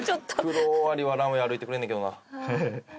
クロオオアリはランウェー歩いてくれんねんけどな。